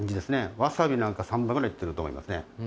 わさびなんか３倍ぐらいいってると思いますね。